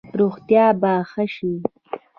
روغتیا به ښه شي؟